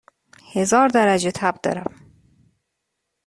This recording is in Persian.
هزار درجه تب دارم